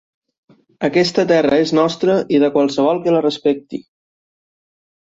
Aquesta terra és nostra i de qualsevol que la respecti.